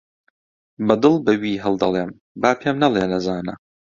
بە دڵ بە وی هەڵدەڵێم با پێم نەڵێ نەزانە